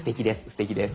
すてきです。